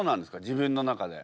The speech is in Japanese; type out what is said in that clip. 自分の中で。